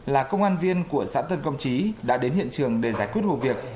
là công an viên của xã tân công trí đã đến hiện trường để giải quyết vụ việc